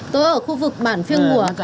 tôi ở khu vực bản phiêng ngùa